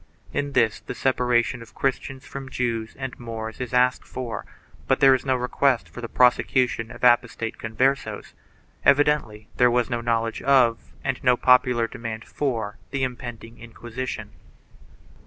In this the separation of Christians from Jews and Moors is asked for, but there is no request for the prosecution of apostate Converses.5 Evidently there was no knowledge of and no popular demand for the impending Inquisition.